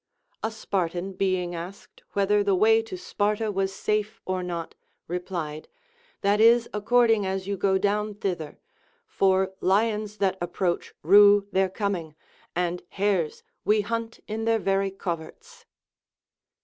A Spartan being asked whether the way to Sparta was safe or not, replied : That is according as you go down thither ; for lions that ap proach rue their coming, and hares Λνβ hunt in their very coverts.